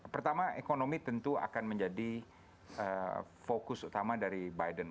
pertama ekonomi tentu akan menjadi fokus utama dari biden